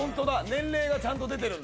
年齢がちゃんと出てるんだ。